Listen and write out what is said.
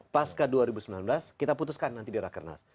pas ke dua ribu sembilan belas kita putuskan nanti di rakernas